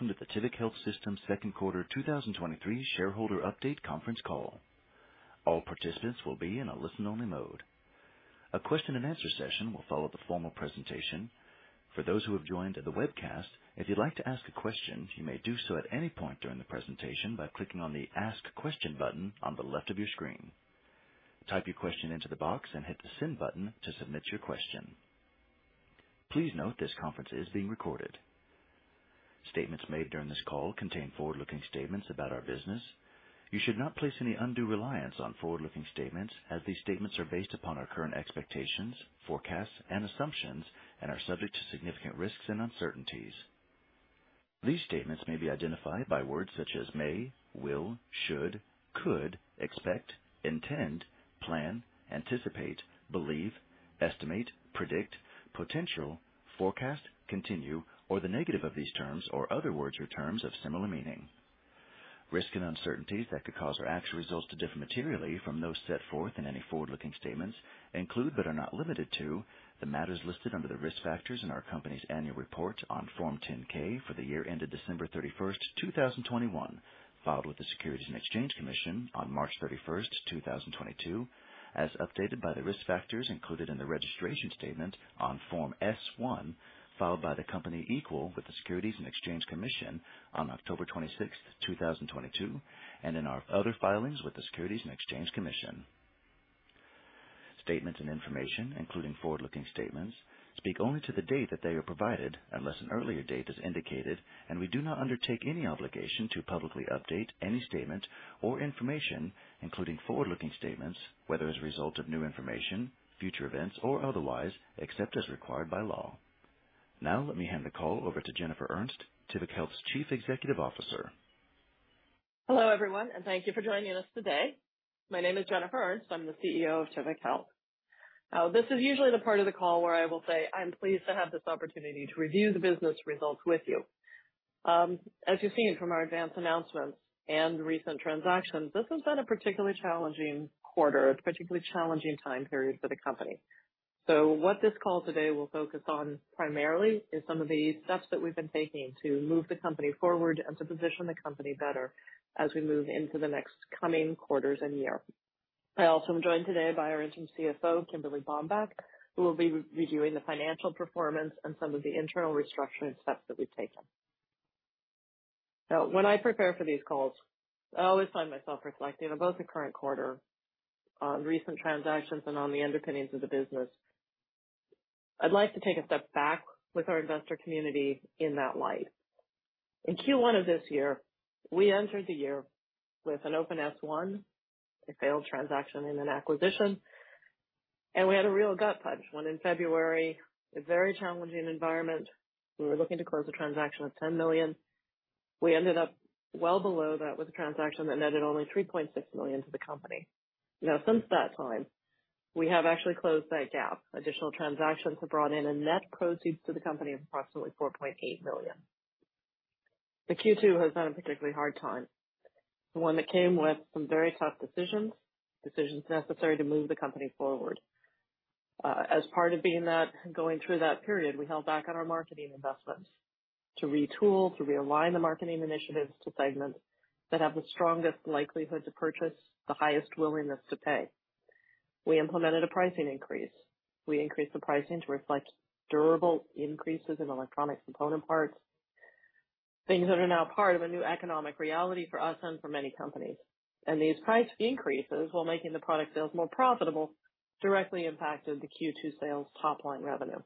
Welcome to the Tivic Health Systems Second Quarter 2023 Shareholder Update Conference Call. All participants will be in a listen-only mode. A question-and-answer session will follow the formal presentation. For those who have joined the webcast, if you'd like to ask a question, you may do so at any point during the presentation by clicking on the Ask Question button on the left of your screen. Type your question into the box and hit the send button to submit your question. Please note this conference is being recorded. Statements made during this call contain forward-looking statements about our business. You should not place any undue reliance on forward-looking statements as these statements are based upon our current expectations, forecasts, and assumptions and are subject to significant risks and uncertainties. These statements may be identified by words such as may, will, should, could, expect, intend, plan, anticipate, believe, estimate, predict, potential, forecast, continue, or the negative of these terms, or other words or terms of similar meaning. Risks and uncertainties that could cause our actual results to differ materially from those set forth in any forward-looking statements include, but are not limited to, the matters listed under the Risk Factors in our company's annual report on Form 10-K for the year ended December 31st, 2021, filed with the Securities and Exchange Commission on March 31st, 2022, as updated by the Risk Factors included in the registration statement on Form S-1, filed by the company equal with the Securities and Exchange Commission on October 26th, 2022, and in our other filings with the Securities and Exchange Commission. Statements and information, including forward-looking statements, speak only to the date that they are provided, unless an earlier date is indicated, and we do not undertake any obligation to publicly update any statement or information, including forward-looking statements, whether as a result of new information, future events, or otherwise, except as required by law. Now, let me hand the call over to Jennifer Ernst, Tivic Health's Chief Executive Officer. Hello, everyone, thank you for joining us today. My name is Jennifer Ernst. I'm the CEO of Tivic Health. This is usually the part of the call where I will say I'm pleased to have this opportunity to review the business results with you. As you've seen from our advanced announcements and recent transactions, this has been a particularly challenging quarter. It's a particularly challenging time period for the company. What this call today will focus on primarily is some of the steps that we've been taking to move the company forward and to position the company better as we move into the next coming quarters and year. I also am joined today by our interim CFO, Kimberly Bambach, who will be reviewing the financial performance and some of the internal restructuring steps that we've taken. Now, when I prepare for these calls, I always find myself reflecting on both the current quarter, on recent transactions, and on the underpinnings of the business. I'd like to take a step back with our investor community in that light. In Q1 of this year, we entered the year with an open S-1, a failed transaction, and an acquisition, and we had a real gut punch when in February, a very challenging environment, we were looking to close a transaction of $10 million. We ended up well below that with a transaction that netted only $3.6 million to the company. Since that time, we have actually closed that gap. Additional transactions have brought in a net proceeds to the company of approximately $4.8 million. The Q2 has been a particularly hard time, one that came with some very tough decisions, decisions necessary to move the company forward. As part of being going through that period, we held back on our marketing investments to retool, to realign the marketing initiatives to segments that have the strongest likelihood to purchase, the highest willingness to pay. We implemented a pricing increase. We increased the pricing to reflect durable increases in electronic component parts, things that are now part of a new economic reality for us and for many companies. And these price increases, while making the product sales more profitable, directly impacted the Q2 sales top-line revenue.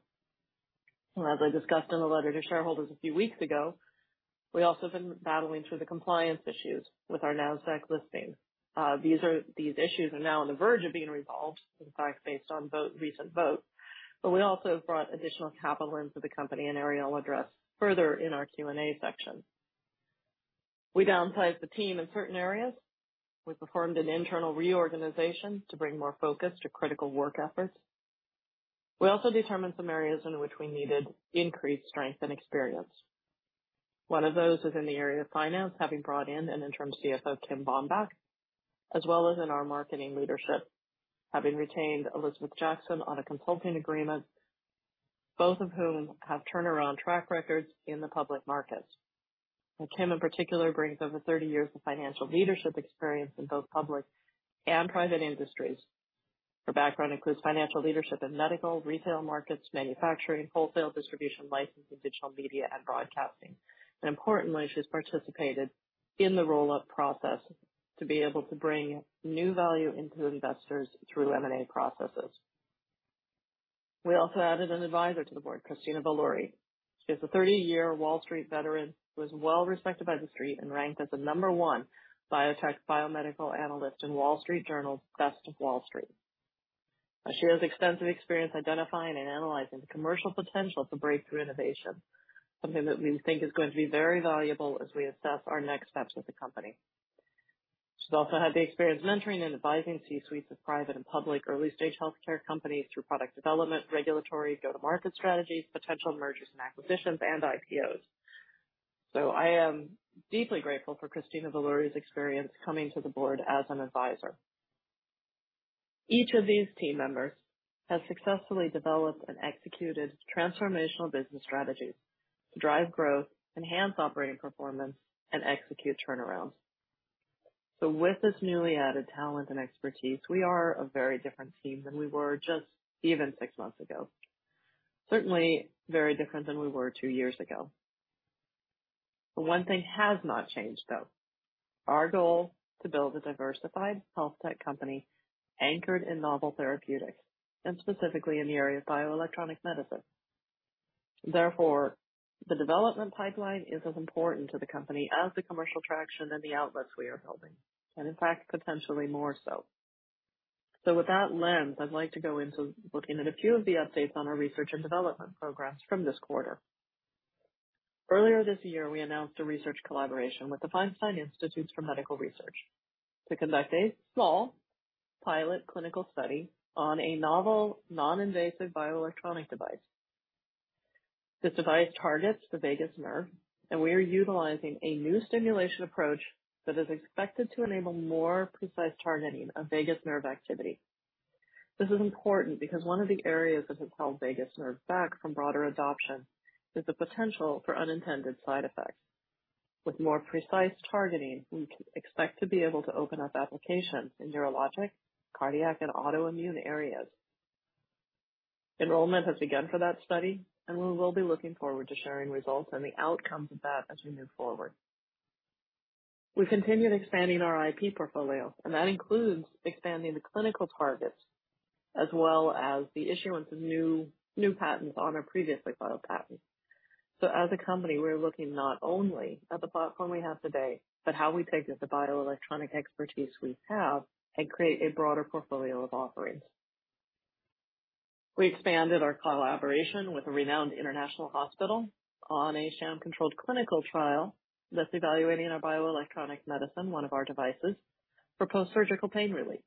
As I discussed in the letter to shareholders a few weeks ago, we also have been battling through the compliance issues with our Nasdaq listing. These issues are now on the verge of being resolved, in fact, based on vote, recent vote. We also brought additional capital into the company, and l will address further in our Q&A section. We downsized the team in certain areas. We performed an internal reorganization to bring more focus to critical work efforts. We also determined some areas in which we needed increased strength and experience. One of those is in the area of finance, having brought in an interim CFO, Kim Bambach, as well as in our marketing leadership, having retained Elizabeth Jackson on a consulting agreement, both of whom have turnaround track records in the public markets. Kim, in particular, brings over 30 years of financial leadership experience in both public and private industries. Her background includes financial leadership in medical, retail markets, manufacturing, wholesale distribution, licensing, digital media, and broadcasting. Importantly, she's participated in the roll-up process to be able to bring new value into investors through M&A processes. We also added an advisor to the board, Christina Valauri. She is a 30-year Wall Street veteran, who is well respected by the Street and ranked as the number one biotech biomedical analyst in Wall Street Journal's Best on Wall Street. She has extensive experience identifying and analyzing the commercial potential to breakthrough innovation, something that we think is going to be very valuable as we assess our next steps with the company. She's also had the experience mentoring and advising C-suites of private and public early-stage healthcare companies through product development, regulatory, go-to-market strategies, potential mergers and acquisitions, and IPOs. I am deeply grateful for Christina Valauri's experience coming to the board as an advisor. Each of these team members has successfully developed and executed transformational business strategies to drive growth, enhance operating performance and execute turnarounds. With this newly added talent and expertise, we are a very different team than we were just even six months ago. Certainly, very different than we were two years ago. One thing has not changed, though. Our goal to build a diversified health tech company anchored in novel therapeutics and specifically in the area of bioelectronic medicine. Therefore, the development pipeline is as important to the company as the commercial traction and the outlets we are building, and in fact, potentially more so. With that lens, I'd like to go into looking at a few of the updates on our research and development progress from this quarter. Earlier this year, we announced a research collaboration with the Feinstein Institutes for Medical Research to conduct a small pilot clinical study on a novel, non-invasive, bioelectronic device. This device targets the vagus nerve. We are utilizing a new stimulation approach that is expected to enable more precise targeting of vagus nerve activity. This is important because one of the areas that has held vagus nerve back from broader adoption is the potential for unintended side effects. With more precise targeting, we can expect to be able to open up applications in neurologic, cardiac, and autoimmune areas. Enrollment has begun for that study. We will be looking forward to sharing results and the outcomes of that as we move forward. We continued expanding our IP portfolio. That includes expanding the clinical targets as well as the issuance of new, new patents on our previously filed patents. As a company, we're looking not only at the platform we have today, but how we take the bioelectronic expertise we have and create a broader portfolio of offerings. We expanded our collaboration with a renowned international hospital on a sham-controlled clinical trial that's evaluating our bioelectronic medicine, one of our devices, for post-surgical pain relief.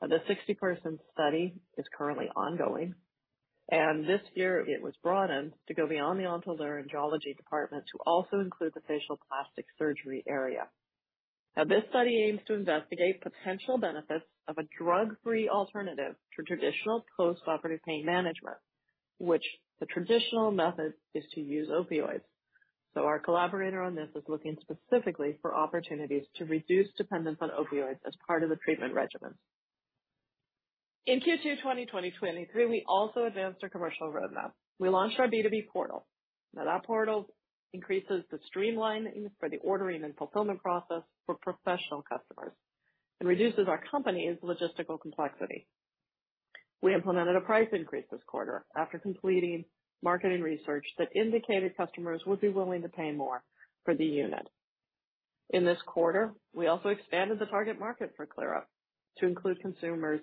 The 60-person study is currently ongoing, and this year it was broadened to go beyond the otolaryngology department to also include the facial plastic surgery area. Now, this study aims to investigate potential benefits of a drug-free alternative to traditional post-operative pain management, which the traditional method is to use opioids. Our collaborator on this is looking specifically for opportunities to reduce dependence on opioids as part of the treatment regimen. In Q2 2020 '23, we also advanced our commercial roadmap. We launched our B2B portal. Now, that portal increases the streamlining for the ordering and fulfillment process for professional customers and reduces our company's logistical complexity. We implemented a price increase this quarter after completing marketing research that indicated customers would be willing to pay more for the unit. In this quarter, we also expanded the target market for ClearUP to include consumers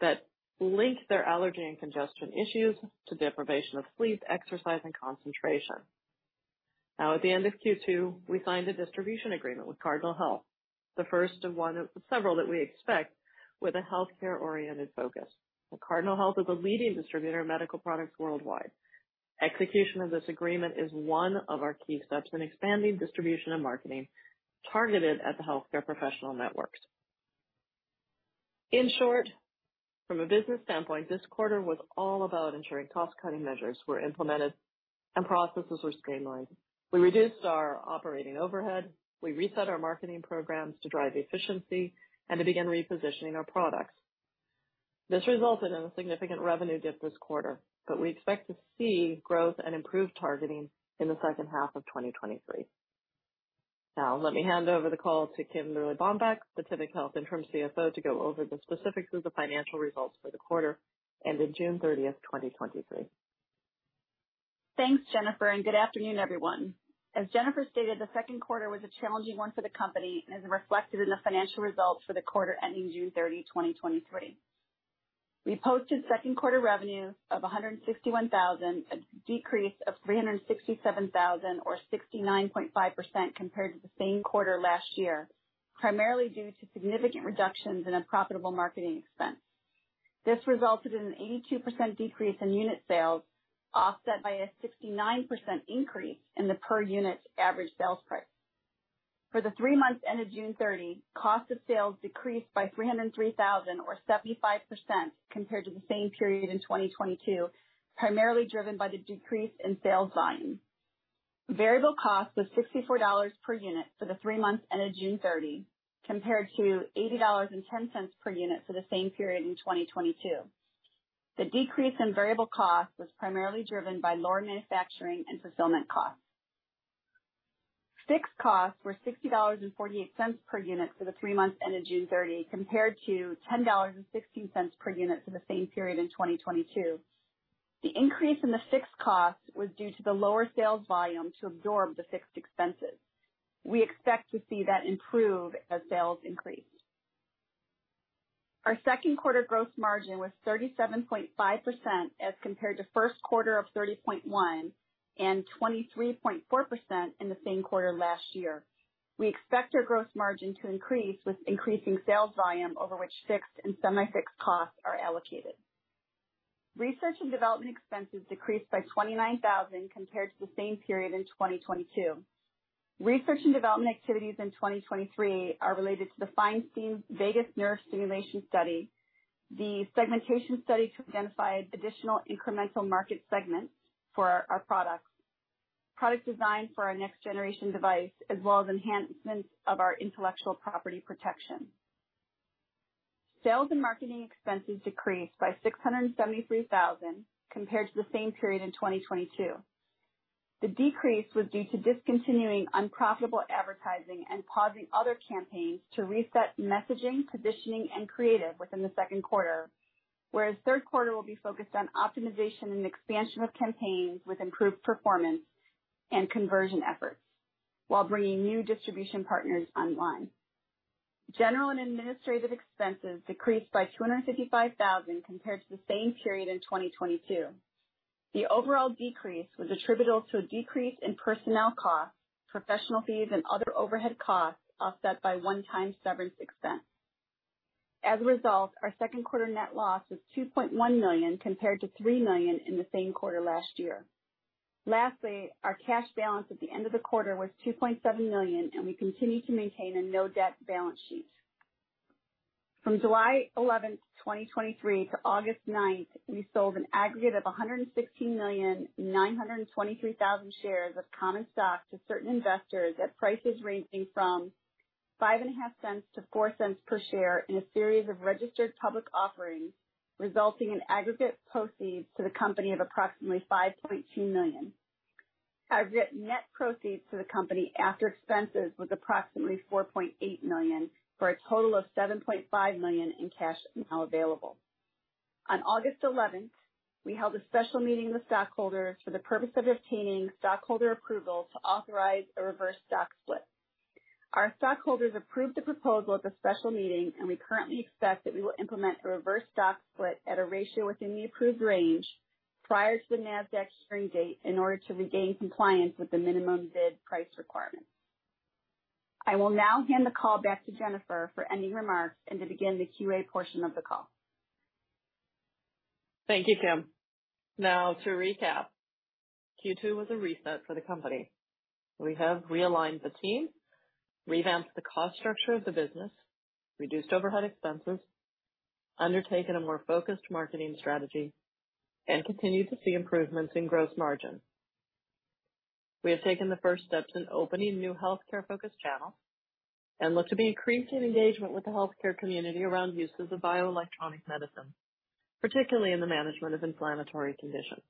that link their allergy and congestion issues to deprivation of sleep, exercise, and concentration. Now, at the end of Q2, we signed a distribution agreement with Cardinal Health, the first of several that we expect with a healthcare-oriented focus. Now Cardinal Health is a leading distributor of medical products worldwide. Execution of this agreement is one of our key steps in expanding distribution and marketing targeted at the healthcare professional networks. In short, from a business standpoint, this quarter was all about ensuring cost-cutting measures were implemented and processes were streamlined. We reduced our operating overhead. We reset our marketing programs to drive efficiency and to begin repositioning our products. This resulted in a significant revenue dip this quarter, but we expect to see growth and improved targeting in the 2nd half of 2023. Let me hand over the call to Kimberly Bambach, Tivic Health Interim CFO, to go over the specifics of the financial results for the quarter ending June 30th, 2023. Thanks, Jennifer. Good afternoon, everyone. As Jennifer stated, the second quarter was a challenging one for the company and is reflected in the financial results for the quarter ending June 30, 2023. We posted second quarter revenue of $161,000, a decrease of $367,000, or 69.5% compared to the same quarter last year, primarily due to significant reductions in unprofitable marketing expense. This resulted in an 82% decrease in unit sales, offset by a 69% increase in the per unit average sales price. For the three months ended June 30, cost of sales decreased by $303,000, or 75% compared to the same period in 2022, primarily driven by the decrease in sales volume. Variable cost was $64 per unit for the three months ended June 30, compared to $80.10 per unit for the same period in 2022. The decrease in variable cost was primarily driven by lower manufacturing and fulfillment costs. Fixed costs were $60.48 per unit for the three months ended June 30, compared to $10.16 per unit for the same period in 2022. The increase in the fixed cost was due to the lower sales volume to absorb the fixed expenses. We expect to see that improve as sales increase. Our second quarter gross margin was 37.5% as compared to first quarter of 30.1% and 23.4% in the same quarter last year. We expect our gross margin to increase with increasing sales volume, over which fixed and semi-fixed costs are allocated. Research and development expenses decreased by $29,000 compared to the same period in 2022. Research and development activities in 2023 are related to the Feinstein Vagus Nerve Stimulation Study, the segmentation study to identify additional incremental market segments for our products, product design for our next generation device, as well as enhancements of our intellectual property protection. Sales and marketing expenses decreased by $673,000 compared to the same period in 2022. The decrease was due to discontinuing unprofitable advertising and pausing other campaigns to reset messaging, positioning, and creative within the second quarter. Third quarter will be focused on optimization and expansion of campaigns with improved performance and conversion efforts, while bringing new distribution partners online. General and administrative expenses decreased by $255,000 compared to the same period in 2022. The overall decrease was attributable to a decrease in personnel costs, professional fees, and other overhead costs, offset by one-time severance expense. As a result, our second quarter net loss was $2.1 million, compared to $3 million in the same quarter last year. Lastly, our cash balance at the end of the quarter was $2.7 million, and we continue to maintain a no-debt balance sheet. From July 11th, 2023 to August 9th, we sold an aggregate of 116,923,000 shares of common stock to certain investors at prices ranging from $0.055 to $0.04 per share in a series of registered public offerings, resulting in aggregate proceeds to the company of approximately $5.2 million. Aggregate net proceeds to the company after expenses was approximately $4.8 million, for a total of $7.5 million in cash now available. On August 11th, we held a special meeting with stockholders for the purpose of obtaining stockholder approval to authorize a reverse stock split. Our stockholders approved the proposal at the special meeting. We currently expect that we will implement the reverse stock split at a ratio within the approved range prior to the Nasdaq hearing date in order to regain compliance with the minimum bid price requirement. I will now hand the call back to Jennifer for any remarks and to begin the QA portion of the call. Thank you, Kim. Now to recap, Q2 was a reset for the company. We have realigned the team, revamped the cost structure of the business, reduced overhead expenses, undertaken a more focused marketing strategy, and continued to see improvements in gross margin. We have taken the first steps in opening new healthcare-focused channels and look to be increasing engagement with the healthcare community around uses of bioelectronic medicine, particularly in the management of inflammatory conditions.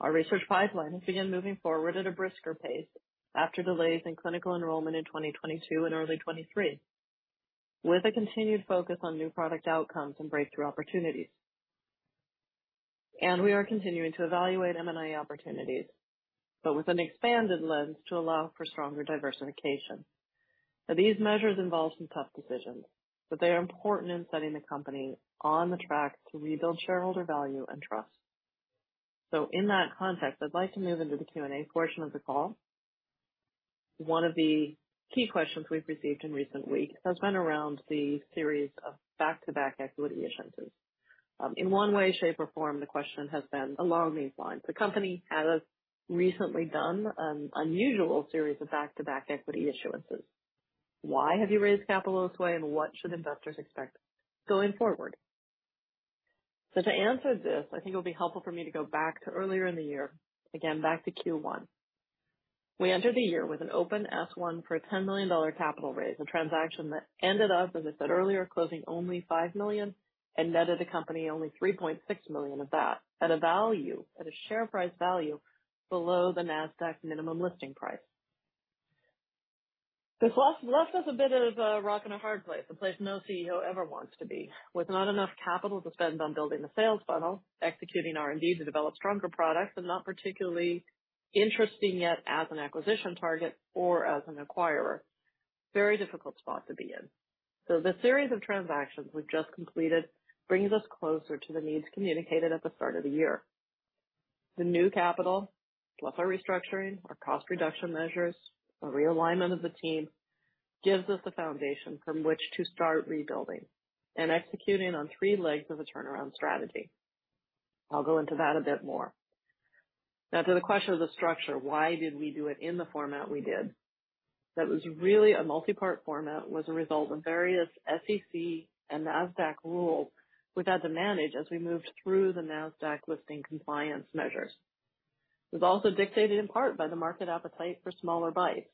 Our research pipeline has began moving forward at a brisker pace after delays in clinical enrollment in 2022 and early 2023, with a continued focus on new product outcomes and breakthrough opportunities. We are continuing to evaluate M&A opportunities, but with an expanded lens to allow for stronger diversification. Now, these measures involve some tough decisions, but they are important in setting the company on the track to rebuild shareholder value and trust. In that context, I'd like to move into the Q&A portion of the call. One of the key questions we've received in recent weeks has been around the series of back-to-back equity issuances. In one way, shape, or form, the question has been along these lines: The company has recently done an unusual series of back-to-back equity issuances. Why have you raised capital this way, and what should investors expect going forward? To answer this, I think it'll be helpful for me to go back to earlier in the year, again, back to Q1. We entered the year with an open S-1 for a $10 million capital raise, a transaction that ended up, as I said earlier, closing only $5 million and netted the company only $3.6 million of that, at a value, at a share price value below the Nasdaq minimum listing price. This loss left us a bit of a rock and a hard place, a place no CEO ever wants to be, with not enough capital to spend on building the sales funnel, executing R&D to develop stronger products, and not particularly interesting yet as an acquisition target or as an acquirer. Very difficult spot to be in. The series of transactions we've just completed brings us closer to the needs communicated at the start of the year. The new capital, plus our restructuring, our cost reduction measures, a realignment of the team, gives us the foundation from which to start rebuilding and executing on three legs of a turnaround strategy. I'll go into that a bit more. Now to the question of the structure, why did we do it in the format we did? That was really a multi-part format, was a result of various SEC and Nasdaq rules we've had to manage as we moved through the Nasdaq listing compliance measures. It was also dictated in part by the market appetite for smaller bites.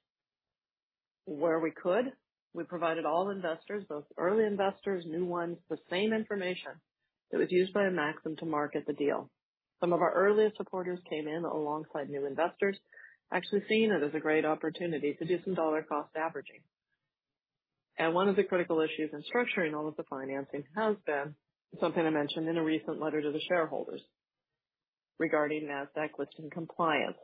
Where we could, we provided all investors, both early investors, new ones, the same information that was used by Maxim to market the deal. Some of our earliest supporters came in alongside new investors, actually seeing it as a great opportunity to do some dollar-cost averaging. One of the critical issues in structuring all of the financing has been something I mentioned in a recent letter to the shareholders regarding Nasdaq listing compliance.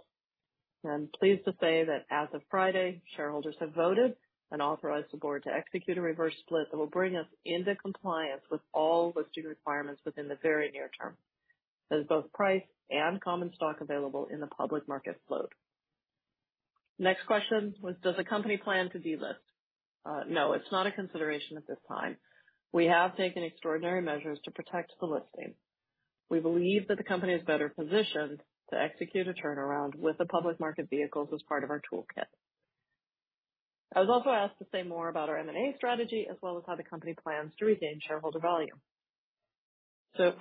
I'm pleased to say that as of Friday, shareholders have voted and authorized the board to execute a reverse split that will bring us into compliance with all listing requirements within the very near term, as both price and common stock available in the public market float. Next question was, does the company plan to delist? No, it's not a consideration at this time. We have taken extraordinary measures to protect the listing. We believe that the company is better positioned to execute a turnaround with the public market vehicles as part of our toolkit. I was also asked to say more about our M&A strategy, as well as how the company plans to regain shareholder value.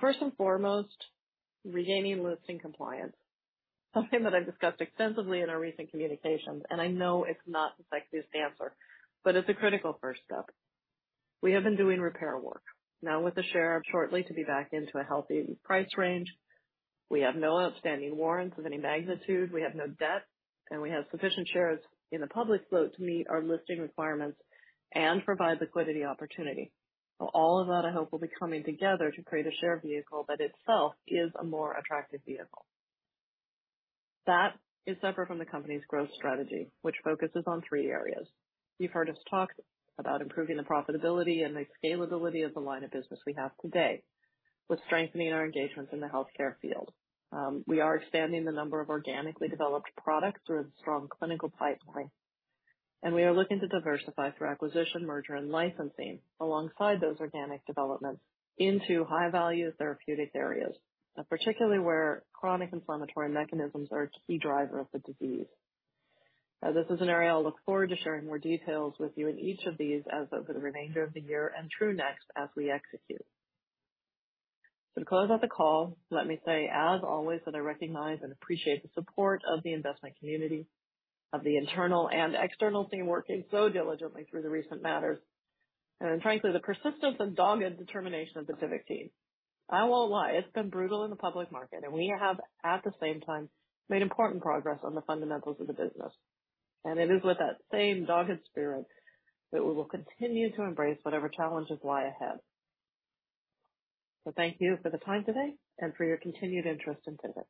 First and foremost, regaining listing compliance, something that I've discussed extensively in our recent communications, and I know it's not the sexiest answer, but it's a critical first step. We have been doing repair work, now with the share shortly to be back into a healthy price range. We have no outstanding warrants of any magnitude, we have no debt, and we have sufficient shares in the public float to meet our listing requirements and provide liquidity opportunity. All of that, I hope, will be coming together to create a share vehicle that itself is a more attractive vehicle. That is separate from the company's growth strategy, which focuses on three areas. You've heard us talk about improving the profitability and the scalability of the line of business we have today. With strengthening our engagements in the healthcare field, we are expanding the number of organically developed products through a strong clinical pipeline, and we are looking to diversify through acquisition, merger, and licensing alongside those organic developments into high-value therapeutic areas, particularly where chronic inflammatory mechanisms are a key driver of the disease. Now, this is an area I look forward to sharing more details with you in each of these as over the remainder of the year and through next as we execute. To close out the call, let me say, as always, that I recognize and appreciate the support of the investment community, of the internal and external team working so diligently through the recent matters, and frankly, the persistence and dogged determination of the Tivic team. I won't lie, it's been brutal in the public market. We have, at the same time, made important progress on the fundamentals of the business. It is with that same dogged spirit that we will continue to embrace whatever challenges lie ahead. Thank you for the time today and for your continued interest in Tivic.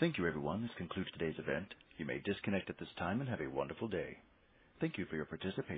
Thank you, everyone. This concludes today's event. You may disconnect at this time and have a wonderful day. Thank you for your participation.